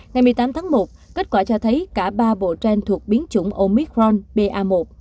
ngày một mươi tám tháng một kết quả cho thấy cả ba bộ gen thuộc biến chủng omicron ba một